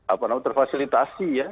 apa namanya terfasilitasi ya